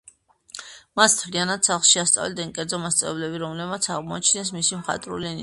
მას მთლიანად სახლში ასწავლიდნენ კერძო მასწავლებლები, რომლებმაც აღმოაჩინეს მისი მხატვრული ნიჭი.